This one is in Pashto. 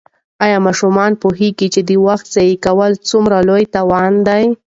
آیا ماشومان پوهېږي چې د وخت ضایع کول څومره لوی تاوان دی؟